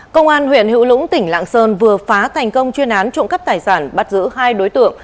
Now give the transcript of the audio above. công an huyện hữu lũng tỉnh lạng sơn vừa phá thành công chuyên án trộm cắp tài sản bắt giữ hai đối tượng